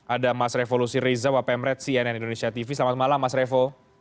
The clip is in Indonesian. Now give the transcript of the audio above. ada mas revolusi riza wapemret cnn indonesia tv selamat malam mas revo